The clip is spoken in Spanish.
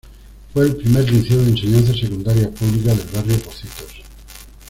Fue el primer liceo de Enseñanza Secundaria Pública del barrio Pocitos.